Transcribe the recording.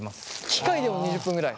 機械でも２０分ぐらい！？